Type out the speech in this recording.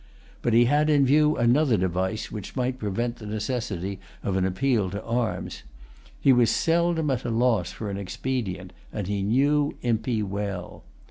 But he had in view another device which might prevent the necessity of an appeal to arms. He was seldom at a loss for an expedient; and he knew Impey well.